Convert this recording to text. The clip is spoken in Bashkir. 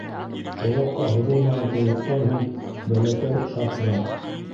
Оҙаҡҡа һуҙылмаған тынлыҡтан һуң Бәләкәй шаһзат: